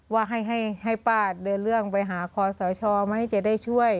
ว่าให้ให้ให้ป้าเดินเรื่องไปหาคอสชมาให้จะได้ช่วย